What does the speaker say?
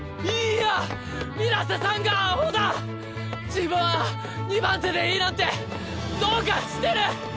自分は２番手でいいなんてどうかしてる！